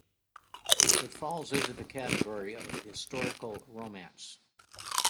It falls into the category of historical romance.